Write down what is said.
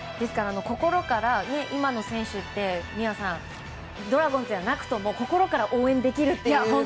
今の選手ってドラゴンズじゃなくとも心から応援できるというＷＢＣ。